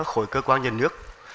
khối cơ quan dân nước